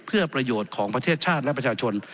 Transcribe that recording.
เพื่อประโยชน์ของประเทศชาติและประชาชน